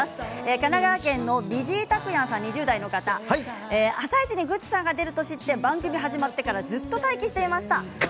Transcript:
神奈川県の方２０代の方「あさイチ」さんにグッチさんが出ると知って番組始まってからずっと待機していました。